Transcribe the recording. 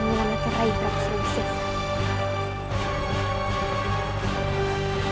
mereka menangkap rai prabu surawisesa dengan kejahatan yang tidak terlalu baik baik saja